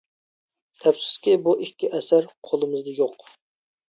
ئەپسۇسكى بۇ ئىككى ئەسەر قولىمىزدا يوق.